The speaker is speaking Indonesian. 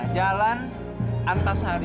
jalan antasari satu dua puluh tiga